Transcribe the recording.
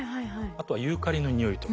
あとはユーカリの匂いとか。